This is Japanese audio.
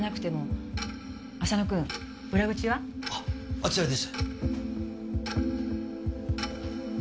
あちらです。